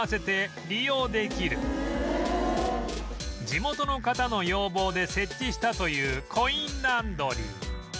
地元の方の要望で設置したというコインランドリー